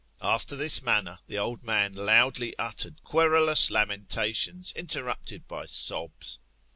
After this manner the old man loudly uttered querulous lamen tations, interrupted by sobs.